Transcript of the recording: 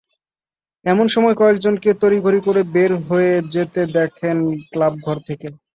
এমন সময় কয়েকজনকে তড়িঘড়ি করে বের হয়ে যেতে দেখেন ক্লাবঘর থেকে।